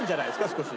少し。